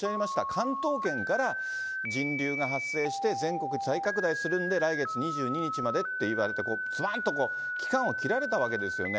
関東圏から人流が発生して、全国に再拡大するんで、来月２２日までって言われて、ずばんとこう、期間を切られたわけですよね。